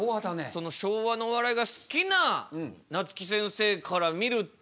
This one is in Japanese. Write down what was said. その昭和のお笑いが好きななつき先生から見ると。